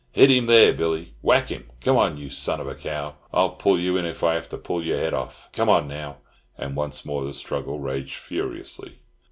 "Hit him there, Billy! Whack him! Come on, you son of a cow! I'll pull you in if I have to pull your head off. Come on, now!" And once more the struggle raged furiously.